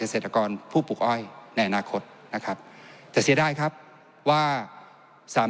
เศรษฐกรผู้ปลูกอ้อยในอนาคตนะครับแต่เสียดายครับว่าสาม